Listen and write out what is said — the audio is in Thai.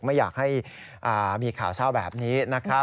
ไม่อยากให้มีข่าวเช่าแบบนี้